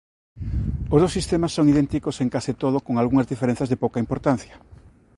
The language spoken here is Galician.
Os dous sistemas son idénticos en case todo con algunhas diferenzas de pouca importancia.